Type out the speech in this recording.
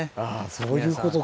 そういうことか。